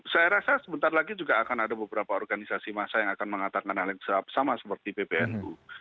saya rasa sebentar lagi juga akan ada beberapa organisasi masa yang akan mengatakan hal yang sama seperti pbnu